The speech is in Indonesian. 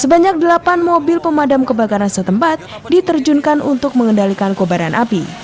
sebanyak delapan mobil pemadam kebakaran setempat diterjunkan untuk mengendalikan kobaran api